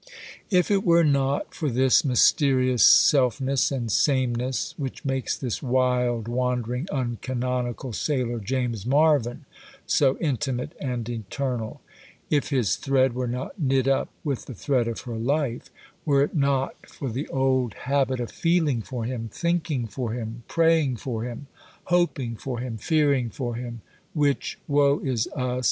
If it were not for this mysterious selfness and sameness which makes this wild, wandering, uncanonical sailor, James Marvyn, so intimate and internal,—if his thread were not knit up with the thread of her life,—were it not for the old habit of feeling for him, thinking for him, praying for him, hoping for him, fearing for him, which—woe is us!